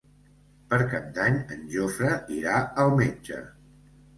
Per Cap d'Any en Jofre irà al metge.